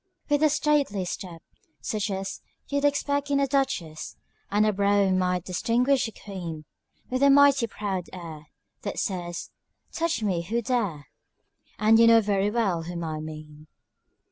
With a stately step such as You'd expect in a duchess And a brow might distinguish a queen, With a mighty proud air, That says "touch me who dare," And you know very well whom I mean.